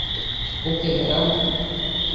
ওকে, madam.